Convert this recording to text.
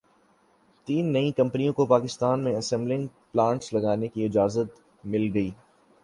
تین نئی کمپنیوں کو پاکستان میں اسمبلنگ پلانٹس لگانے کی اجازت مل گئی